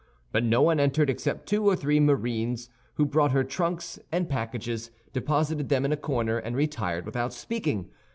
But no one entered except two or three marines, who brought her trunks and packages, deposited them in a corner, and retired without speaking.